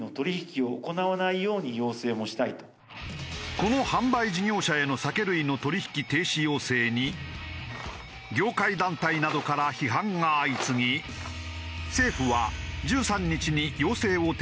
この販売事業者への酒類の取引停止要請に業界団体などから批判が相次ぎ政府は１３日にしかし果たして